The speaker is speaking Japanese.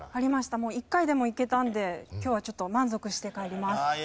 もう一回でもいけたので今日はちょっと満足して帰ります。